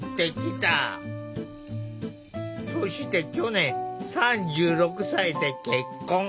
そして去年３６歳で結婚。